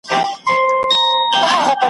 یو ښکاري وو چي په ښکار کي د مرغانو ,